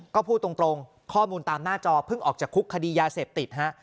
ก็พูดตรงข้อมูลตามหน้าจอเพิ่งออกจากคุกคดียาเสพติดฮะ